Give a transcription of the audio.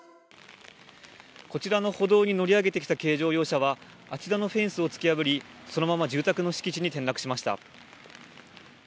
こちらの歩道に乗り上げてきた軽乗用車は、あちらのフェンスを突き破り、そのまま住宅の敷地に転落しました。